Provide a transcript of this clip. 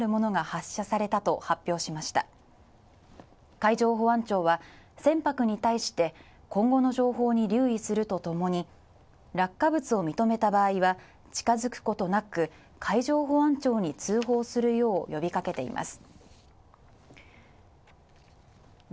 海上保安庁は船舶に対して今後の情報に留意するとともに落下物を認めた場合は近づくことなく、海上保安庁に通報するよう呼びかけています。